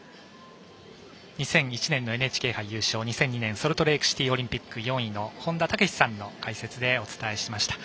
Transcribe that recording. ２００１年のＮＨＫ杯優勝２００２年ソルトレークシティーオリンピック４位の本田武史さんの解説でお伝えしました。